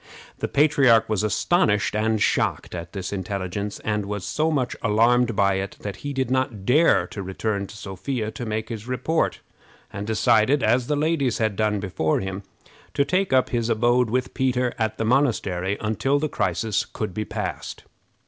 The patriarch was astonished and shocked at this intelligence, and was so much alarmed by it that he did not dare to return to Sophia to make his report, and decided, as the ladies had done before him, to take up his abode with Peter in the monastery until the crisis should be passed.